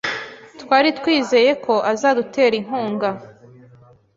Twari twizeye ko azadutera inkunga .